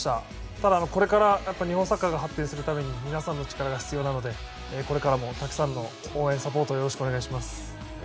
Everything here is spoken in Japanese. ただ、これから日本サッカーが発展するためには皆さんの力が必要なのでこれからもたくさんの応援、サポートよろしくお願いします。